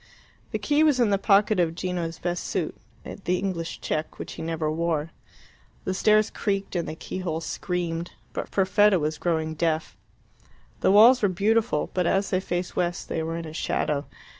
The key was in the pocket of Gino's best suit the English check which he never wore. The stairs creaked and the key hole screamed; but Perfetta was growing deaf. The walls were beautiful, but as they faced west they were in shadow.